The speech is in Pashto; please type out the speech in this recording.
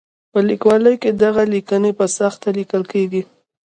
په لیکوالۍ کې هغه لیکنې په سخته لیکل کېږي.